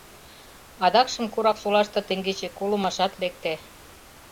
Адакшым Кораксолаште теҥгече колымашат лекте.